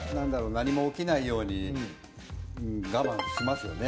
何も起きないように我慢しますよね。